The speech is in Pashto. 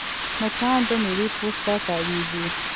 مچان د میوې پوست ته تاوېږي